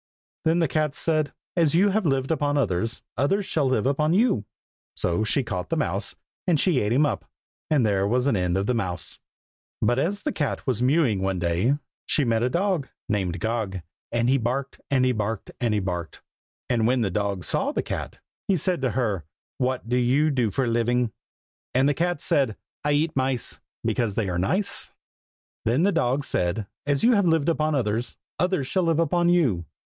Then the cat said, "As you have lived upon others, others shall live upon you!" So she caught the mouse, and she ate him up. And there was an end of the mouse. But as the cat was mewing one day, She met a dog, Named Gog, And he barked, And he barked, And he barked. And when the dog saw the cat, he said to her, "what do you do for a living?" And the cat said, "I eat mice, Because they are nice." Then the dog said, "As you have lived upon others, others shall live upon you!"